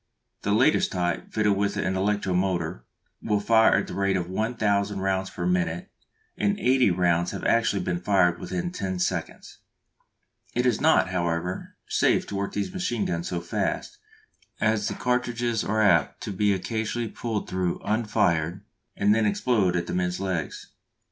The latest type, fitted with an electro motor, will fire at the rate of one thousand rounds per minute, and eighty rounds have actually been fired within ten seconds! It is not, however, safe to work these machine guns so fast, as the cartridges are apt to be occasionally pulled through unfired and then explode among the men's legs.